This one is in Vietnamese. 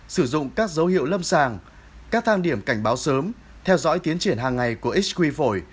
sử dụng các dấu hiệu lâm sàng các thang điểm cảnh báo sớm theo dõi tiến triển hàng ngày của hq vội